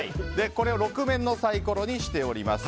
これを６面のサイコロにしております。